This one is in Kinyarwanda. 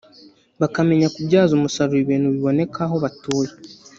bakamenya kubyaza umusaruro ibintu biboneka aho batuye